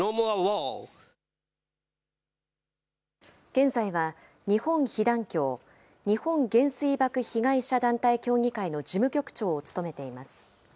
現在は、日本被団協・日本原水爆被害者団体協議会の事務局長を務めています。